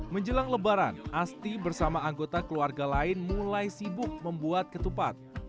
menjelang lebaran asti bersama anggota keluarga lain mulai sibuk membuat ketupat